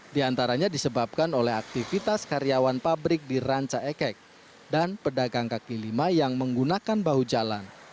di antaranya disebabkan oleh aktivitas karyawan pabrik di ranca ekek dan pedagang kaki lima yang menggunakan bahu jalan